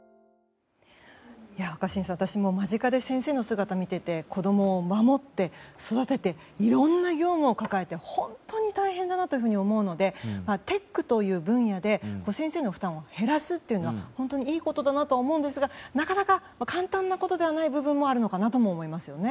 若新さん私も間近で先生の姿を見ていて子供を守って、育てていろんな業務を抱えて本当に大変だなというふうに思うのでテックという分野で先生の負担を減らすっていうのは本当にいいことだと思うんですがなかなか簡単なことではない部分もあるのかなとも思いますね。